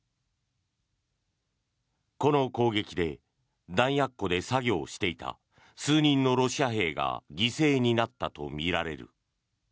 この攻撃で弾薬庫で作業をしていた数人のロシア兵が犠牲になったとみられる。